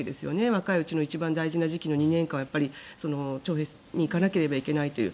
若いうちの一番大事な時期の２年間を徴兵に行かなければいけないという。